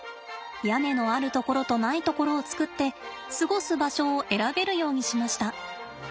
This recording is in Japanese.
屋根のあるところとないところを作って過ごす場所を選べるようにしました。